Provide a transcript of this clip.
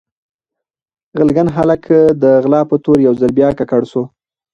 غلګن هالک د غلا په تور يو ځل بيا ککړ سو